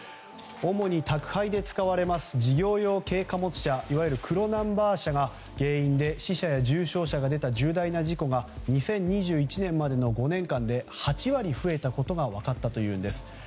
主に宅配で使われます事業用軽貨物車、いわゆる黒ナンバー車が原因で死者や重傷者が出た重大事故が２０２１年までの５年間で８割増えたことが分かったというんです。